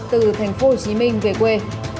từ thành phố hồ chí minh về quê